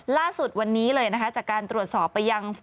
ล่าสุดวันนี้เลยนะคะจากการตรวจสอบไปยัง